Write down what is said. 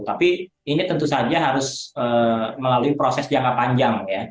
tapi ini tentu saja harus melalui proses jangka panjang ya